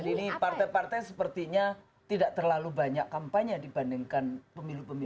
jadi ini partai partai sepertinya tidak terlalu banyak kampanye dibandingkan pemilu pemilu sebelumnya